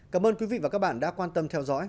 cảm ơn quý vị và các bạn đã quan tâm theo dõi